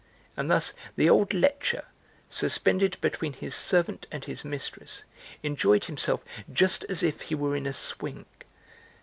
And thus the old lecher, suspended between his servant and his mistress, enjoyed himself just as if he were in a swing.